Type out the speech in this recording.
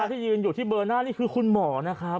ที่ยืนอยู่ที่เบอร์หน้านี่คือคุณหมอนะครับ